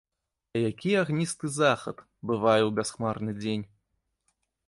А які агністы захад бывае ў бясхмарны дзень!